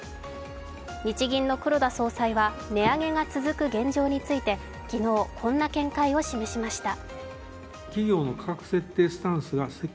日銀の黒田総裁は値上げが続く現状について、昨日、こんな見解を示しました。